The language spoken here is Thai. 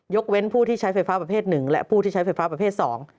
เว้นผู้ที่ใช้ไฟฟ้าประเภทหนึ่งและผู้ที่ใช้ไฟฟ้าประเภทสอง